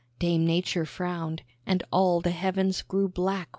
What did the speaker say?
Dame Nature frowned, and all the heavens grew black with storm.